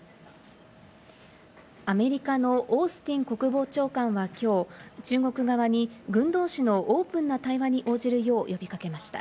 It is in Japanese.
アメリカのオースティン国防長官はきょう、中国側に軍同士のオープンな対話に応じるよう呼び掛けました。